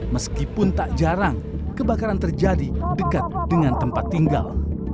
meskipun tak jarang kebakaran terjadi dekat dengan tempat tinggal